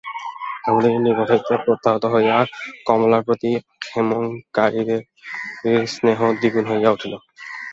হেমনলিনীর নিকট হইতে প্রত্যাহত হইয়া কমলার প্রতি ক্ষেমংকরীর স্নেহ দ্বিগুণ হইয়া উঠিল।